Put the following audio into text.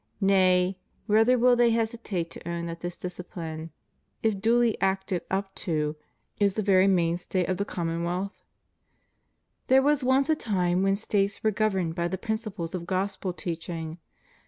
Nay, rather will they hesitate to own that this discipUne, if duly acted up to, is the very main stay of the commonwealth?" ^ There was once a time when States were governed by the principles of Gospel teaching.